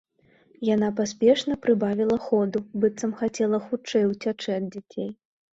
Яна паспешна прыбавіла ходу, быццам хацела хутчэй уцячы ад дзяцей.